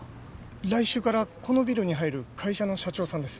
来週からこのビルに入る会社の社長さんです。